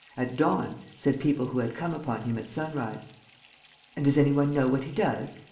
. at dawn, said people who had come upon him at sunrise. "And does any one know what he does?"